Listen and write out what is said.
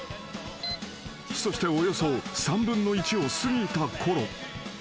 ［そしておよそ３分の１を過ぎたころ］